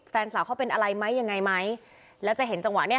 แฟนสาวเขาเป็นอะไรไหมยังไงไหมแล้วจะเห็นจังหวะเนี้ย